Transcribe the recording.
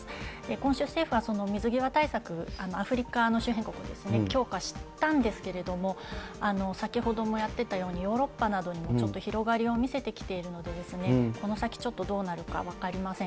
今週、政府は水際対策、アフリカの周辺国に強化したんですけれども、先ほどもやってたように、ヨーロッパなどにもちょっと広がりを見せてきているので、この先、ちょっとどうなるか分かりません。